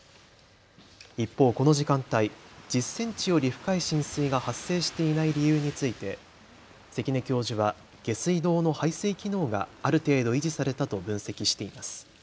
一方、この時間帯１０センチより深い浸水が発生していない理由について関根教授は下水道の排水機能がある程度維持されたと分析しています。